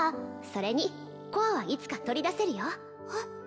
それにコアはいつか取り出せるよえっ？